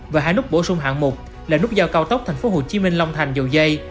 và hai nút bổ sung hạng mục là nút giao cao tốc tp hcm long thành dầu dây